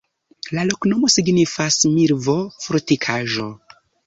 La loknomo signifas: milvo-fortikaĵo.